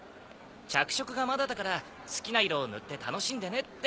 着色がまだだから好きな色を塗って楽しんでねって。